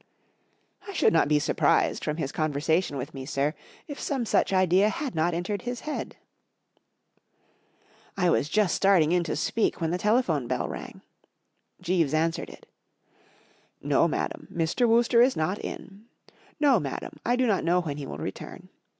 ,r " I should not be surprised, from his conversation with me, sir, if some such idea had not entered Ids head/' I was just starting in to speak, when the telephone bell rang, Jeeves answered it +' H No, madam, Mr, Wooster is not in. No, madam, 1 do not know when he will return.